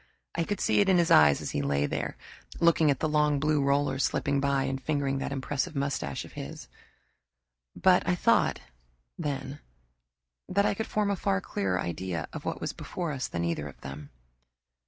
I could see it in his eyes as he lay there, looking at the long blue rollers slipping by, and fingering that impressive mustache of his. But I thought then that I could form a far clearer idea of what was before us than either of them.